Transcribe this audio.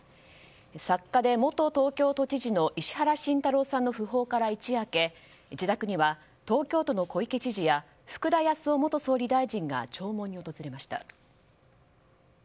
作家で元東京都知事の石原慎太郎さんの訃報から一夜明け自宅には東京都の小池知事や福田康夫元総理大臣が弔問に訪れました。